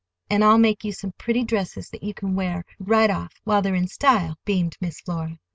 "And I'll make you some pretty dresses that you can wear right off, while they're in style," beamed Miss Flora.